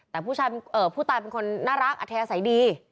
แต่ผู้ตายเป็นคนน่ารักอัธยาศัยดี